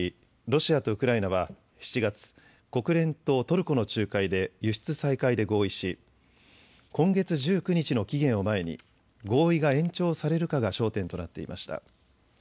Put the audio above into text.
ロシアとウクライナは７月、国連とトルコの仲介で輸出再開で合意し今月１９日の期限を前に合意が延長されるかが焦点となっていました。